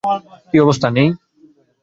কী অবস্থা, মেই?